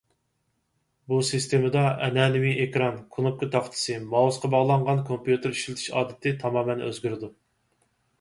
بۇ سىستېمىدا ئەنئەنىۋى ئېكران، كۇنۇپكا تاختىسى، مائۇسقا باغلانغان كومپيۇتېر ئىشلىتىش ئادىتى تامامەن ئۆزگىرىدۇ.